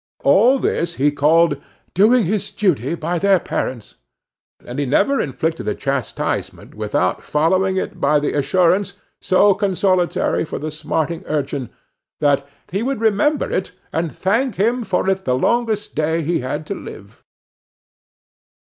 All this he called "doing his duty by their parents;" and he never inflicted a chastisement without following it by the assurance, so consolatory to the smarting urchin, that "he would remember it and thank him for it the longest day he had to live."